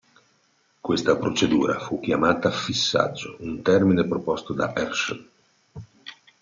Questa procedura fu chiamata "fissaggio", un termine proposto da Herschel.